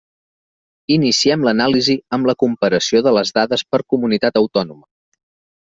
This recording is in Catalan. Iniciem l'anàlisi amb la comparació de les dades per comunitat autònoma.